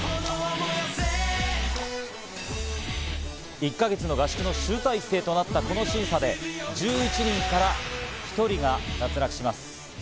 １か月の合宿の集大成となったこの審査で１１人から１人が脱落します。